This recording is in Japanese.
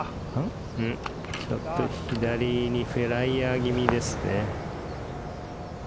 ちょっと左にフライヤー気味ですね。